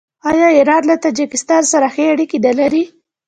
آیا ایران له تاجکستان سره ښې اړیکې نلري؟